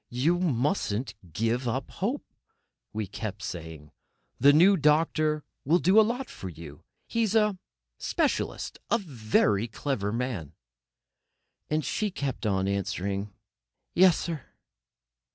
"You mustn't give up hope," we kept on saying: "The new doctor will do a lot for you; he's a specialist—a very clever man." And she kept on answering: "Yes, sir."